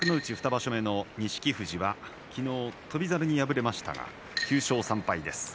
２場所目の錦富士は昨日、翔猿に敗れました９勝３敗です。